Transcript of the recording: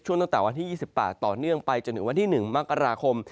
ตั้งแต่วันที่๒๘ต่อเนื่องไปจนถึงวันที่๑มกราคม